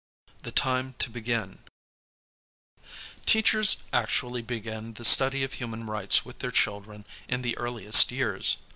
THE TIME TO BEGIN Teachers actually begin the study of human rights with their children in the earliest years.